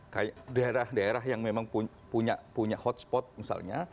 kayak daerah daerah yang memang punya hotspot misalnya